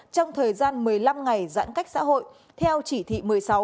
trong thời gian một mươi năm ngày giãn cách xã hội theo chỉ thị một mươi sáu